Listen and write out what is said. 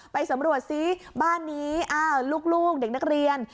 ไปสำรวจซิบ้านนี้อ้าวลูกเด็กนักเรียน